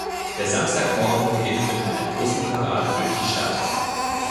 Der Samstagmorgen beginnt mit einer großen Parade durch die Stadt.